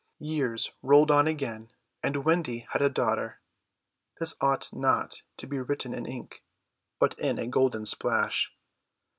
Years rolled on again, and Wendy had a daughter. This ought not to be written in ink but in a golden splash.